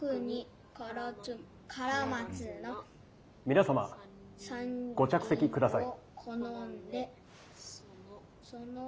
・皆様ご着席ください。